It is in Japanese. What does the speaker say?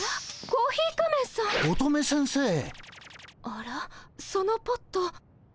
あらそのポット。